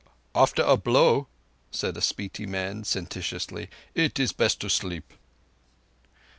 "After a blow," said a Spiti man sententiously, "it is best to sleep."